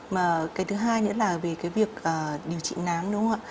mà cái thứ hai nữa là về cái việc điều trị nám đúng không ạ